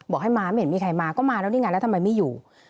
บอกไม่เห็นมีใครมาก็มาครับทำไมไม่อยู่